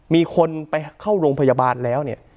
มีคนไปเข้าโรงพยาบาลแล้วเนี่ย